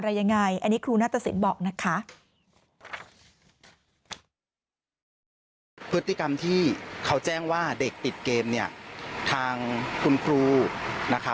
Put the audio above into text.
ฟังเสียงคุณแม่และก็น้องที่เสียชีวิตค่ะ